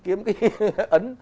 kiếm cái ấn